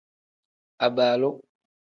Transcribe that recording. Abaalu.